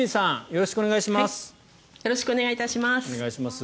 よろしくお願いします。